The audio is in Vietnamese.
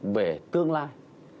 về tương lai